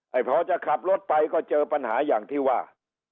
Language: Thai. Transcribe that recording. พอจะขับรถไปก็เจอปัญหาอย่างที่ว่า